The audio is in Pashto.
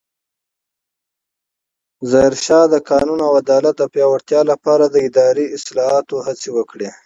ظاهرشاه د قانون او عدالت د پیاوړتیا لپاره د اداري اصلاحاتو هڅې وکړې.